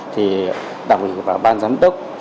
thì đặc biệt là ban giám đốc